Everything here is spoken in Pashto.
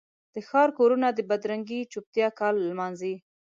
د ښار کورونه د بدرنګې چوپتیا کال نمانځي